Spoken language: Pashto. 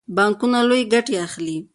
بانکونه لویې ګټې اخلي.